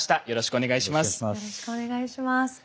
よろしくお願いします。